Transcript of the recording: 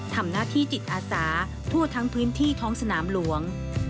ทำหน้าที่จิตอาสาทั่วทั้งพื้นที่ท้องสนามหลวง